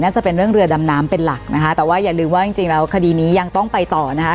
จะเป็นเรื่องเรือดำน้ำเป็นหลักนะคะแต่ว่าอย่าลืมว่าจริงจริงแล้วคดีนี้ยังต้องไปต่อนะคะ